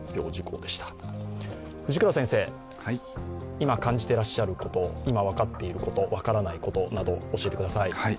今感じていらっしゃること、今分かっていること、分からないことなど教えてください。